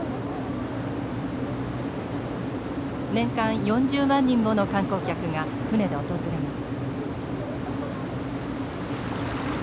年間４０万人もの観光客が船で訪れます。